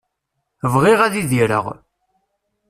Bɣiɣ ad idireɣ.